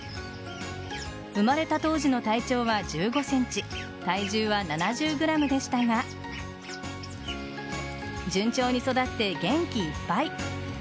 生まれた当時の体長は１５ｃｍ体重は７０ｇでしたが順調に育って元気いっぱい。